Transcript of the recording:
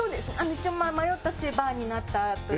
一応迷った末バーになったという。